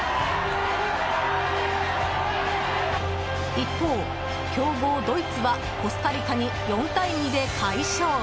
一方、強豪ドイツはコスタリカに４対２で快勝。